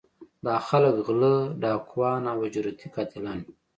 دا خلک غلۀ ، ډاکوان او اجرتي قاتلان وي